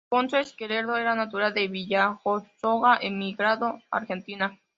Alfonso Esquerdo era natural de Villajoyosa, emigrado a Argentina.